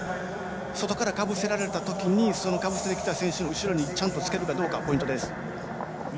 外からかぶせられてきたときにかぶせてきた選手の後ろにつけるかどうかがポイントです。